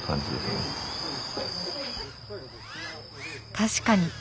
確かに。